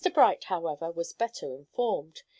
Bright, however, was better informed.